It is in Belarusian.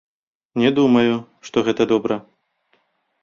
Не думаю, што гэта добра.